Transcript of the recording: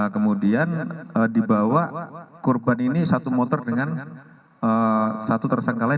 kemudian dibawa korban ini satu motor dengan satu tersangka lain